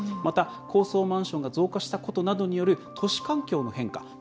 また、高層マンションが増加したことなどによる都市環境の変化。